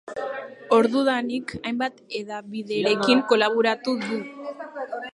Ordudanik, hainbat hedabiderekin kolaboratu du.